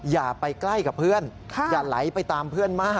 อย่าไปใกล้กับเพื่อนอย่าไหลไปตามเพื่อนมาก